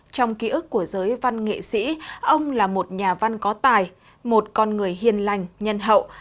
trong ký ức của giới văn nghệ sĩ ông là một nhà văn có tài một con người hiền lành nhân hậu